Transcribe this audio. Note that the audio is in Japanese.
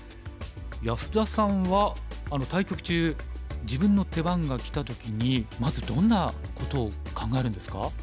安田さんは対局中自分の手番がきた時にまずどんなことを考えるんですか？